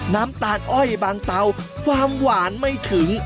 น้ำตาลอ้อยบางเตาความหวานไม่ถึง